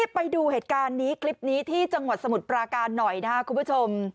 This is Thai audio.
ไปดูเหตุการณ์นี้คลิปนี้ที่จังหวัดสมุทรปราการหน่อยนะครับคุณผู้ชม